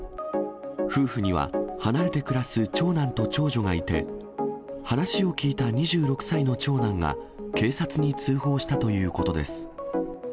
夫婦には離れて暮らす長男と長女がいて、話を聞いた２６歳の長男が、警察に通報したということです。